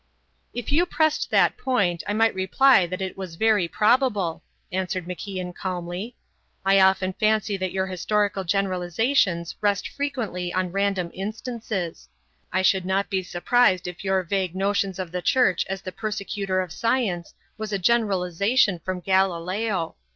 "If you pressed that point I might reply that it was very probable," answered MacIan calmly. "I often fancy that your historical generalizations rest frequently on random instances; I should not be surprised if your vague notions of the Church as the persecutor of science was a generalization from Galileo.